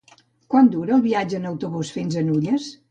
Quant dura el viatge en autobús fins a Nulles?